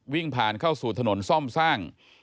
วิ่งผ่านเข้าสู่ถนนซ่อมสร้าง